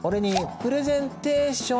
プレゼンテーション？